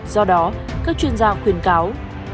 do đó các chuyên gia khuyến cáo